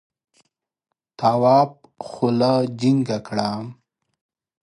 تواب خوله جینگه کړه.